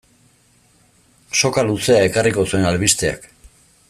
Soka luzea ekarriko zuen albisteak.